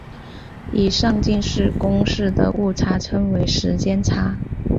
以上近似公式的误差称为时间差。